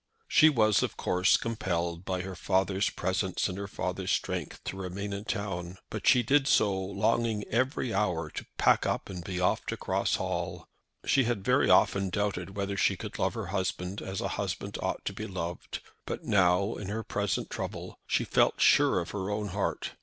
She was, of course, compelled by her father's presence and her father's strength to remain in town, but she did so longing every hour to pack up and be off to Cross Hall. She had very often doubted whether she could love her husband as a husband ought to be loved, but now, in her present trouble, she felt sure of her own heart.